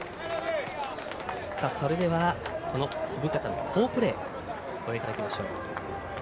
それでは小深田の好プレーご覧いただきましょう。